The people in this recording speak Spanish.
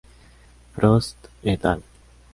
Frost "et al.